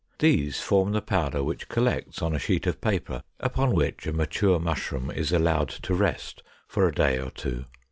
These form the powder which collects on a sheet of paper upon which a mature Mushroom is allowed to rest for a day or two.